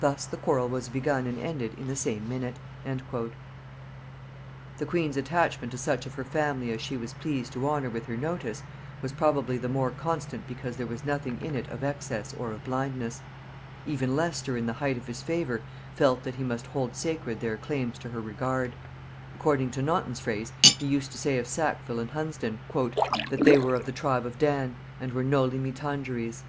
Thus the quarrel was begun and ended in the same minute." [Note 37: "Worthies" in Herts.] The queen's attachment to such of her family as she was pleased to honor with her notice, was probably the more constant because there was nothing in it of excess or of blindness: even Leicester in the height of his favor felt that he must hold sacred their claims to her regard: according to Naunton's phrase, he used to say of Sackville and Hunsdon, "that they were of the tribe of Dan, and were Noli me tangere's."